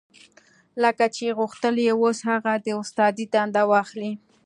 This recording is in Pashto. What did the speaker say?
لکه چې غوښتل يې اوس هغه د استادۍ دنده واخلي.